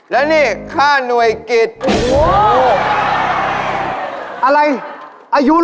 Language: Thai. แล้วนี่เขาก่าวคอนโดให้เขาอยู่